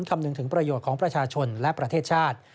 คำนึงถึงประโยชน์ของประชาชนและประเทศชาติ